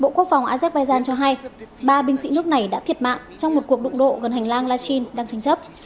bộ quốc phòng azerbaijan cho hay ba binh sĩ nước này đã thiệt mạng trong một cuộc đụng độ gần hành lang lichin đang tranh chấp